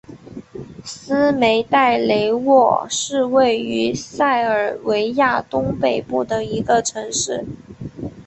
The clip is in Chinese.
斯梅代雷沃是位于塞尔维亚东北部的一个城市。